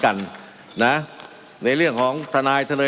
มันมีมาต่อเนื่องมีเหตุการณ์ที่ไม่เคยเกิดขึ้น